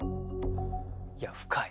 いや深い。